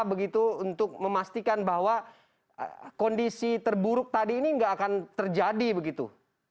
begitu untuk memastikan bahwa kondisi terburuk tadi ini tidak akan terjadi begitu